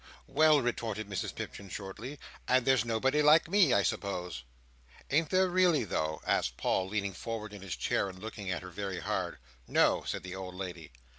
"Well!" retorted Mrs Pipchin, shortly, "and there's nobody like me, I suppose." "Ain't there really though?" asked Paul, leaning forward in his chair, and looking at her very hard. "No," said the old lady.